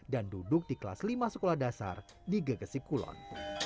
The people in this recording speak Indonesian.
dan duduk di kelas lima sekolah dasar di gegesik kulon